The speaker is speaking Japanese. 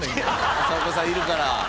浅丘さんいるから。